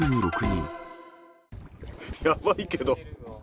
やばいけど。